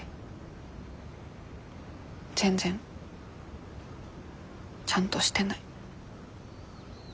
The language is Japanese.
全然ちゃんとしてない。